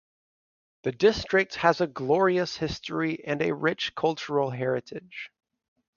The District has a glorious history and a rich cultural heritage.